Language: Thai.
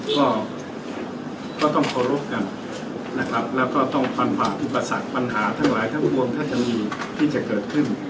ก็ต้องเคารพกันแล้วก็ต้องฟันฝากอุปสรรคปัญหาทั้งหลายทั้งวงท่านีที่จะเกิดขึ้น